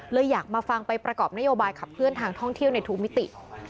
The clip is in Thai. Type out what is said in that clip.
อยากมาฟังไปประกอบนโยบายขับเคลื่อนทางท่องเที่ยวในทุกมิติ